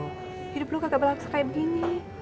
hidup lo kagak berlaksana kayak begini